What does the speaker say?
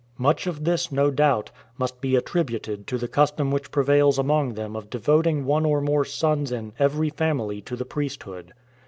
Much of this, no doubt, must be attributed to the custom which prevails among them of devoting one or more sons in eveiy family to the priesthood.